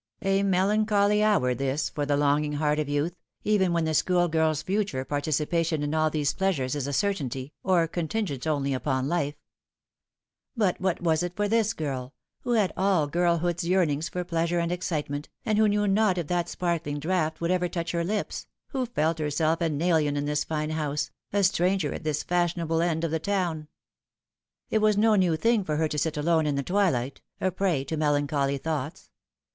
A melancholy hour this for the longing heart of youth, even when the schoolgirl's future parti cipation in all these pleasures is a certainty, or contingent only upon life ; but what was it for this girl, who had all girlhood's yearnings for pleasure and excitement, and who knew not if that sparkling draught would ever touch her lips, who felt herself an 26 The Fatal Three. alien in this fine house, a stranger at this fashionable end of the town ? It was no new thing for her to sit alone in the twilight, a prey to melancholy thoughts.